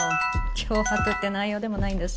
脅迫って内容でもないんだし